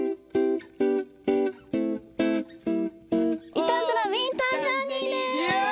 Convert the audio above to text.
イタズラウィンタージャーニーです。